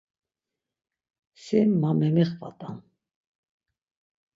Si ma memixvat̆am.